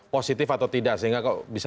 positif atau tidak sehingga kok bisa